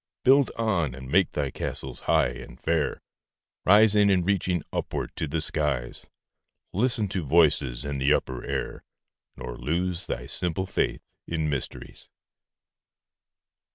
Build on, and make thy castles high and fair, Rising and reaching upward to the skies; Listen to voices in the upper air, Nor lose thy simple faith in mysteries.